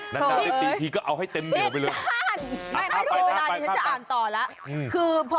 นานนานเอะตีอีกทีเอาให้เต็มเหนียวไปเลย